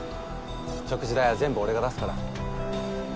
食事代は全部俺が出すから。